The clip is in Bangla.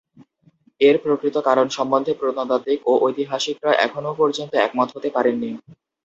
এর প্রকৃত কারণ সম্বন্ধে প্রত্নতাত্ত্বিক ও ঐতিহাসিকরা এখনও পর্যন্ত একমত হতে পারেননি।